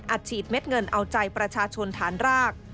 ฉีดเม็ดเงินเอาใจประชาชนฐานราก